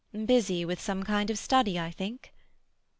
"Busy with some kind of study, I think."